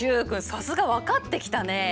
さすが分かってきたね！